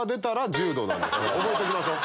覚えときましょう。